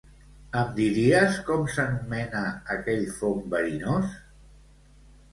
Em diries com s'anomena aquell fong verinós?